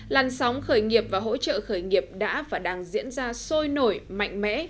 làn sóng khởi nghiệp và hỗ trợ khởi nghiệp đã và đang diễn ra sôi nổi mạnh mẽ